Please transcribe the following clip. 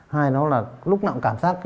hai đó là lúc nào cũng cảm giác